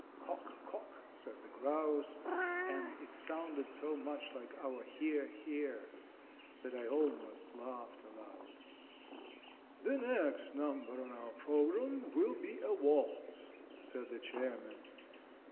"Cock, cock!" said the grouse, and it sounded so much like our "hear, hear!" that I almost laughed aloud. "The next number on our program will be a waltz," said the chairman.